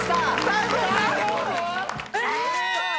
え！